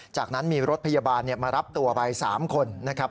จากนั้นมีรถพยาบาลมารับตัวไป๓คนนะครับ